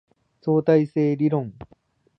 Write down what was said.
相対性理論